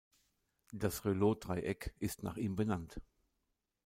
Das Reuleaux-Dreieck ist nach ihm benannt.